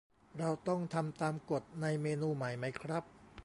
เราต้องทำตามกฎในเมนูใหม่ไหมครับ